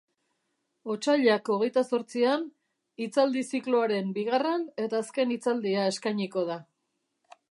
Otsailak hogeita zortzian hitzaldi-zikloaren bigarren eta azken hitzaldia eskainiko da.